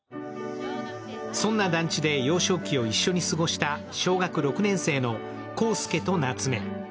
そんな団地で幼少期を一緒に過ごした小学６年生の航祐と夏芽。